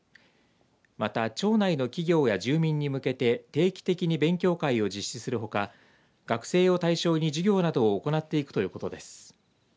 また町内の企業や住民に向けて定期的に勉強会を実施するほか学生を対象に事業などを行っていくということです。